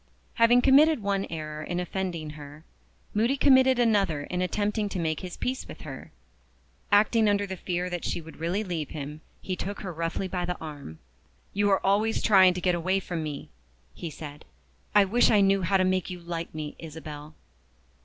Having committed one error in offending her, Moody committed another in attempting to make his peace with her. Acting under the fear that she would really leave him, he took her roughly by the arm. "You are always trying to get away from me," he said. "I wish I knew how to make you like me, Isabel."